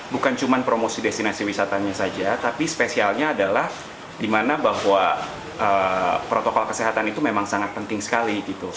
bukan cuma promosi destinasi wisatanya saja tapi spesialnya adalah dimana bahwa protokol kesehatan itu memang sangat penting sekali gitu